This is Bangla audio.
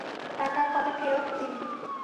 টাকা কবে ফেরৎ দিবি?